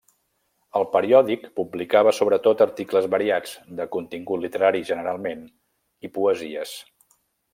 El periòdic publicava sobretot articles variats, de contingut literari generalment, i poesies.